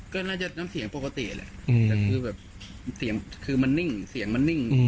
ก็น่าจะน้ำเสียงปกติแหละแต่คือมันนิ่ง